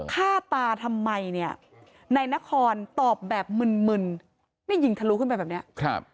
ฆ่าตาทำไมเนี่ยนายนครตอบแบบมึนมึนนี่ยิงทะลุขึ้นไปแบบเนี้ยครับ